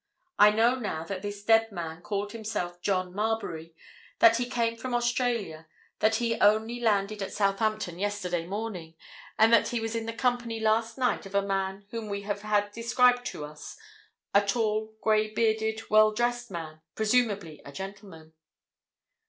I know now that this dead man called himself John Marbury; that he came from Australia; that he only landed at Southampton yesterday morning, and that he was in the company last night of a man whom we have had described to us—a tall, grey bearded, well dressed man, presumably a gentleman."